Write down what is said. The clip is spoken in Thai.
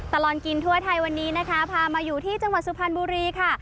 ตลอดกินทั่วไทยวันนี้นะคะพามาอยู่ที่จังหวัดสุพรรณบุรีค่ะ